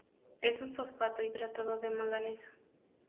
Es un fosfato hidratado de manganeso.